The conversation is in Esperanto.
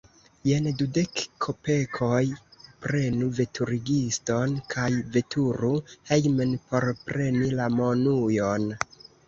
Jen dudek kopekoj; prenu veturigiston kaj veturu hejmen, por preni la monujon.